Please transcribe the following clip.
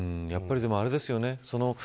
やっぱり、あれですよね。